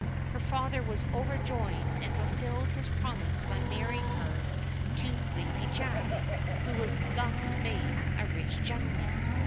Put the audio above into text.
Her father was overjoyed, and fulfilled his promise by marrying her to Lazy Jack, who was thus made a rich gentleman.